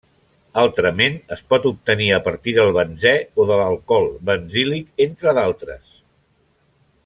Altrament es pot obtenir a partir del benzè o de l'alcohol benzílic, entre d'altres.